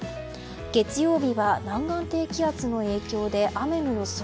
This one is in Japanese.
月曜日は南岸低気圧の影響で雨の予想。